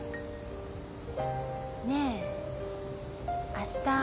ねえ明日。